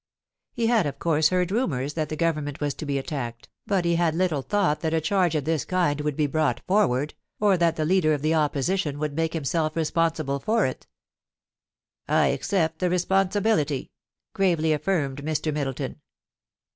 ... He had of course heard rumours that the Government was to be attacked, but he had little thought that a charge of this kind would be brought forward, or that the leader of the Opposition would make himself responsible for it 412 POLICY AND I^ASSION. * I accept the responsibilit}/ gravely affirmed Mr. Middie^ ton.